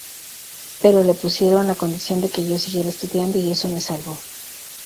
Pero le pusieron la condición de que yo siguiera estudiando, y eso me salvó.